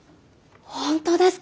本当ですか！